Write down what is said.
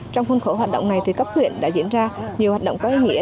trong khuôn khổ hoạt động này cấp nguyện đã diễn ra nhiều hoạt động có ý nghĩa